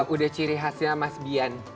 udah ciri khasnya mas bian